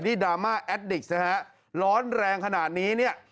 ดราม่าแอดดิกซ์ร้อนแรงขนาดนี้